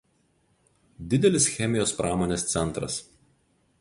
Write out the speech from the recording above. Didelis chemijos pramonės centras.